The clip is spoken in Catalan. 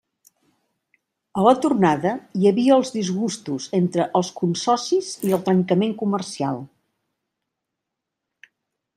A la tornada hi havia els disgustos entre els consocis i el trencament comercial.